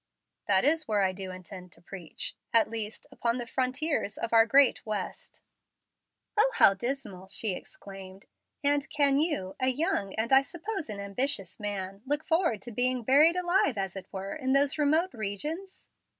"That is where I do intend to preach. At least upon the frontiers of our great West." "O, how dismal!" she exclaimed. "And can you, a young, and I suppose an ambitious man, look forward to being buried alive, as it were, in those remote regions?"